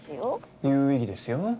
有意義ですよ